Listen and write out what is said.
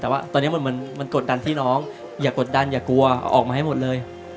แต่ว่าตอนนี้เหมือนมันกดดันพี่น้องอย่ากดดันอย่ากลัวออกมาให้หมดเลย